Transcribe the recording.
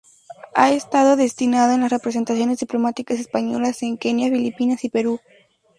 Ha estado destinado en las representaciones diplomáticas españolas en Kenia, Filipinas y Perú.